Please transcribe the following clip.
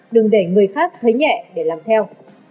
đừng để người khác thấy nhẹ để làm theo